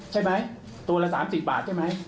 ใช่ไหมตัวละ๓๐บาทใช่ไหม